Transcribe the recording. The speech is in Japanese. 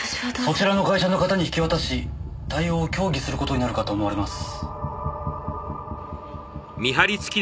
そちらの会社の方に引き渡し対応を協議する事になるかと思われます。